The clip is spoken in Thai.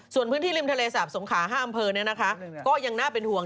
ส่วนพื้นที่ริมทะเลสาบสงขา๕อำเภอก็ยังน่าเป็นห่วง